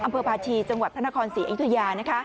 ชพาชีจังหวัดพศภอิตยาย